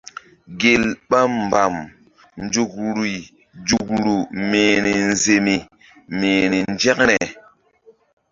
Gel ɓa mbam nzukri nzukru mi̧hri nzemi mi̧hri nzȩkre.